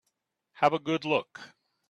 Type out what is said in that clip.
Have a good look.